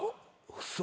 嘘。